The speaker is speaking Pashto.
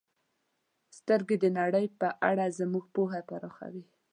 • سترګې د نړۍ په اړه زموږ پوهه پراخوي.